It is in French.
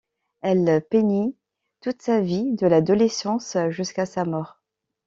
Elle peignit toute sa vie, de l'adolescence jusqu'à sa mort.